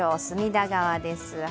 隅田川です。